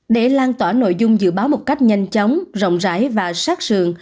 để lan tỏa nội dung dự báo một cách nhanh chóng rộng rãi và sát sườn